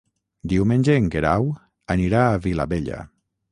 Diumenge en Guerau anirà a Vilabella.